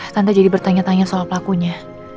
tante jadi bertanya tanya soal pelakunya